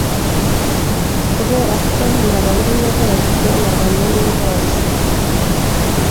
Kuberako nabamenye bosenabamenye bose